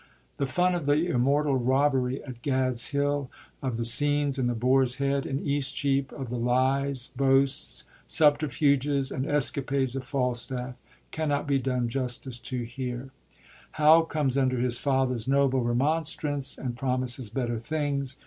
The fun of the immortal robbery at Gadshill, of the scenes in the * Boar's Head ' in Eastcheap, of the lies, boasts, subterfuges and esca pades of Falstaff, cannot be done justice to here. Hal comes under his father's noble remonstrance, and pro mises better things.